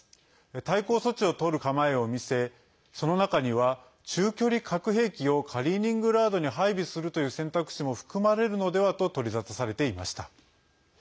対抗措置をとる構えを見せその中には中距離核兵器をカリーニングラードに配備するという選択肢も含まれるのではと取り沙汰されていました。